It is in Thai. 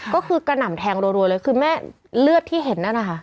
ก็คือกระหน่ำแทงรัวเลยคือแม่เลือดที่เห็นนั่นนะคะ